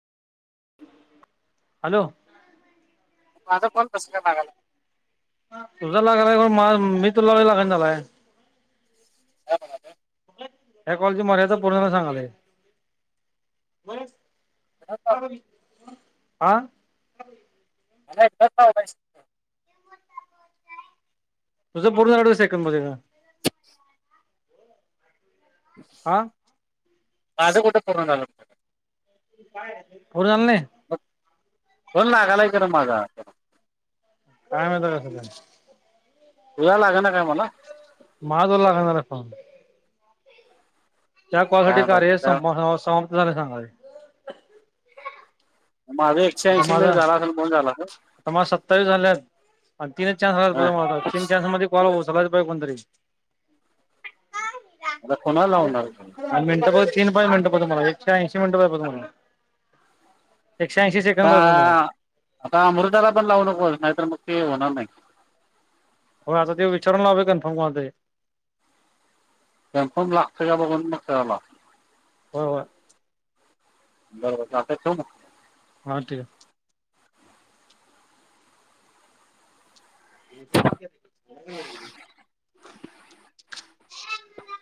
Hello. माझा call कस काय लागायला. तुझा लागलाय मा मी तुला लावायला लागण झालाय. ह [unintelligible] या कॉलची मर्यादा पूर्ण झाली म्हणून सांगायलाय आ मला एकदाच लावलाय तुझ पूर्ण आढीव सेकंदमध्ये का ह् [unintelligible] हा माझ कूठ पूर्ण झाल पूर झाल नाय बोल ना झालाय करुन माझा काय माहित कास झाल तुला लाग ना काय मला. मला तुझा लागण झालाय फोन. त्या कलासाठी काय माहिती कार्य काय समाप्त झाले सांगा [unintelligible] माझं एकशे आता ऐंशी माझ मिनिट झाला असेल फोन झाला असेल आता माझ सत्तवीस झाल्यात. आणि तीनच न्स हा राला तीनचा्समध्ये [unintelligible] सला पा कोणतरी [unintelligible] आता कोणाला लावणार तुही. मिनटंघ तीन पाच मिनटंम्हाला एकशे ऐंशी मिनटं तुम्हाला एकशे ऐंशी, सेकंद आता पाहिजे मला आता अ मृताला पण लावू नको नाहीतर मग ते होणार नाही. हो आता ते विचारयलाववे कन्फर्म कुणाला तरी. कॉंफॉर्म लागतंय का बगुन मग करायला लाव. व्हय व्हय. बर बर चालतंय ठेऊ का. हा ठीव. [unintelligible]